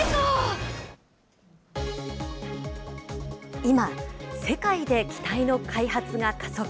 今、世界で機体の開発が加速。